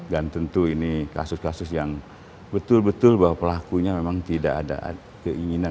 dan tentu ini kasus kasus yang betul betul bahwa pelakunya memang tidak ada keinginan